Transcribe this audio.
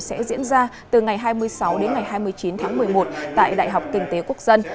sẽ diễn ra từ ngày hai mươi sáu đến ngày hai mươi chín tháng một mươi một tại đại học kinh tế quốc dân